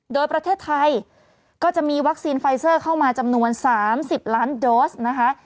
โดยประเทศไทยก็จะมีวัคซีนไฟเซอร์เข้ามาจำนวน๓๐ล้านโดสนะคะ